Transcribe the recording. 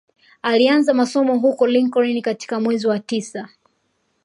Alianza masomo huko Lincoln katika mwezi wa tisa